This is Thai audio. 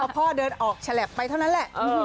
พ่อเดินออกฉลับไปเท่านั้นแหละ